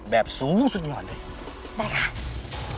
แบบสูงสุดยอดไปล่ะ